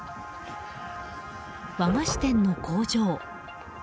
和菓子店の工場。